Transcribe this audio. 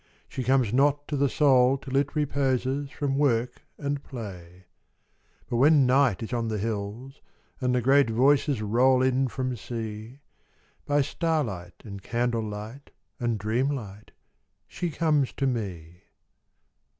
She comes not to the Soul till it reposes From work and play. But when Night is on the hills, and the great Voices Roll in from Sea, By starlight and candle light and dreamlight She comes to me.